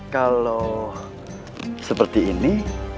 kalau seperti ini